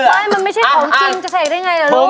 มันไม่ใช่ของจริงจะแสดงไงเดี๋ยวลูก